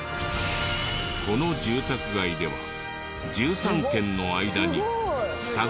この住宅街では１３軒の間に双子が５組も。